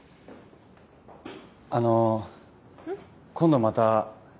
あの今度また。